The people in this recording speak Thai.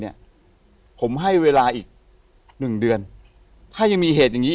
เนี่ยผมให้เวลาอีกหนึ่งเดือนถ้ายังมีเหตุอย่างงี้